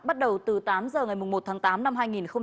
bắt đầu từ tám h ngày một tháng tám năm hai nghìn một mươi tám